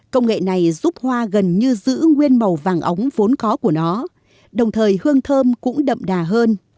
công nghệ này giúp hoa gần như giữ nguyên màu vàng ống vốn có của nó đồng thời hương thơm cũng đậm đà hơn